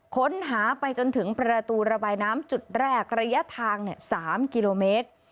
ค้นหาไปจนถึงประตูระบายน้ำจุดแรกระยะทาง๓กิโลเมตร